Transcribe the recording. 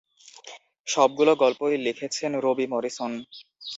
সবগুলো গল্পই লিখেছেন রবি মরিসন।